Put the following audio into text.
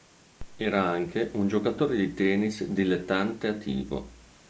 Era anche un giocatore di tennis dilettante attivo.